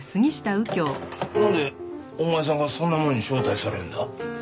なんでお前さんがそんなものに招待されるんだ？